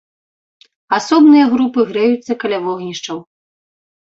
Асобныя групы грэюцца каля вогнішчаў.